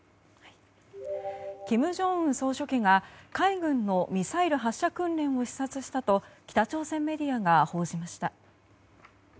金正恩総書記が海軍のミサイル発射訓練を視察したと北朝鮮メディアが報じました。